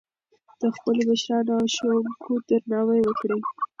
د خپلو مشرانو او ښوونکو درناوی وکړئ.